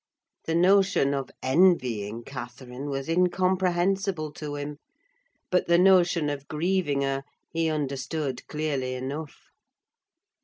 The notion of envying Catherine was incomprehensible to him, but the notion of grieving her he understood clearly enough.